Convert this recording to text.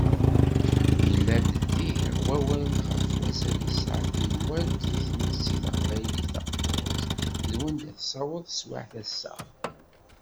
Yella-d diɣ, wawal ɣef wazal i tesɛa teywalt deg tmetti taqbaylit taqburt, d wanda tessaweḍ teswiɛt ass-a.